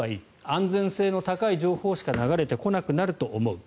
安全性の高い情報しか流れてこなくなると思う。